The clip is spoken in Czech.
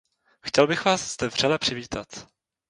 Chtěl bych vás zde vřele přivítat.